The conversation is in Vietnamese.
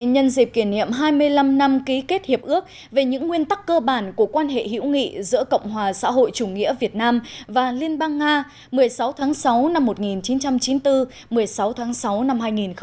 nhân dịp kỷ niệm hai mươi năm năm ký kết hiệp ước về những nguyên tắc cơ bản của quan hệ hữu nghị giữa cộng hòa xã hội chủ nghĩa việt nam và liên bang nga một mươi sáu tháng sáu năm một nghìn chín trăm chín mươi bốn một mươi sáu tháng sáu năm hai nghìn một mươi chín